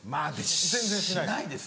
全然しないです。